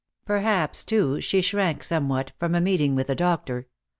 Perhaps, too, she shrank somewhat from a meeting with the doctor.